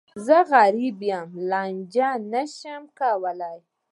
زه غریب یم، لانجه نه شم کولای.